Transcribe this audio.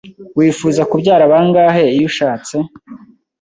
Wifuza kubyara bangahe iyo ushatse?